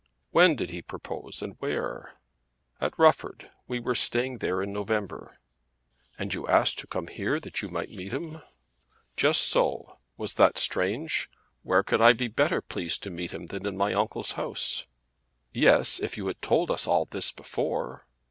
"When did he propose and where?" "At Rufford. We were staying there in November." "And you asked to come here that you might meet him?" "Just so. Was that strange? Where could I be better pleased to meet him than in my own uncle's house?" "Yes; if you had told us all this before."